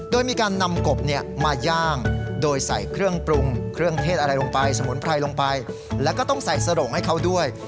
โดยมีการนำกบมาย่างโดยใส่เครื่องปรุงเครื่องเทศอะไรลงไปสมุนไพรลงไปแล้วก็ต้องใส่สโรงให้เขาด้วย